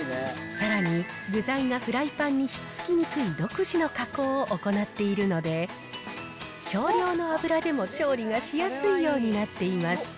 さらに具材がフライパンに引っ付きにくい独自の加工を行っているので、少量の油でも調理がしやすいようになっています。